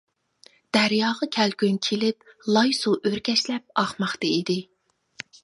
دەرياغا كەلكۈن كېلىپ، لاي سۇ ئۆركەشلەپ ئاقماقتا ئىدى.